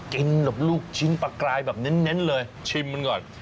กินกับลูกชิ้นปลากรายแบบเน้นเลยชิมมันก่อน